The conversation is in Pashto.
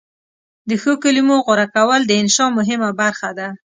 د ښو کلمو غوره کول د انشأ مهمه برخه ده.